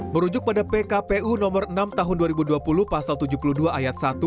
merujuk pada pkpu nomor enam tahun dua ribu dua puluh pasal tujuh puluh dua ayat satu